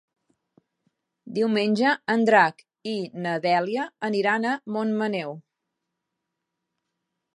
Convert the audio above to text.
Diumenge en Drac i na Dèlia aniran a Montmaneu.